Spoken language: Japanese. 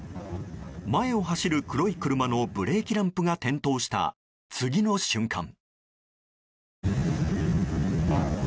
前を走る黒い車のブレーキランプが点灯した次の瞬間。